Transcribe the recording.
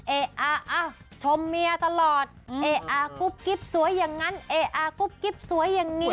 เอ๊ะอ่ะชมเมียตลอดเอ๊ะอากุ๊บกิ๊บสวยอย่างนั้นเอ๊อากุ๊บกิ๊บสวยอย่างนี้